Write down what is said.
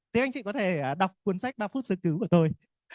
thế anh chị có thể đọc cuốn sách ba phút sơ cứu của tôi